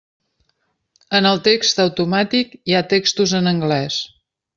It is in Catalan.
En el text automàtic hi ha textos en anglès.